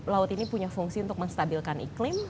laut ini punya fungsi untuk menstabilkan iklim